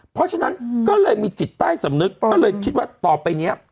เพราะฉะนั้นก็เลยมีจิตใต้สำนึกก็เลยคิดว่าต่อไปเนี้ย